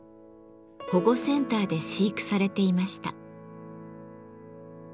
保護センターで飼育されていました。